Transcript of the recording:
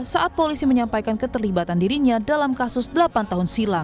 saat polisi menyampaikan keterlibatan dirinya dalam kasus delapan tahun silam